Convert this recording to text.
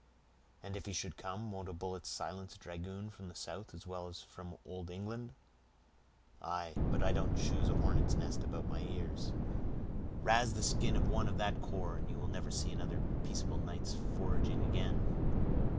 "And if he should come, won't a bullet silence a dragoon from the South as well as from old England?" "Aye, but I don't choose a hornet's nest about my ears; rase the skin of one of that corps, and you will never see another peaceable night's foraging again."